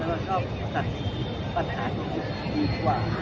เราชอบแต่ปัญหาฯกรุณกูดีกว่า